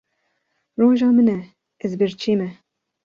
Roja min e ez birçî me.